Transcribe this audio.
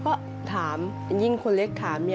เขาก็ถามยิ่งคนเล็กถาม